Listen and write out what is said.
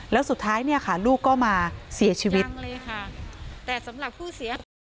แล้วสุดท้ายเนี้ยค่ะลูกก็มาเสียชีวิตยังเลยค่ะแต่สำหรับผู้เสีย